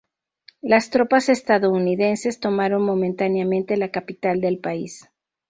Las tropas estadounidenses tomaron momentáneamente la capital del país.